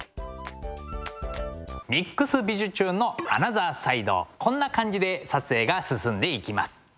「ＭＩＸびじゅチューン！」のアナザーサイドこんな感じで撮影が進んでいきます。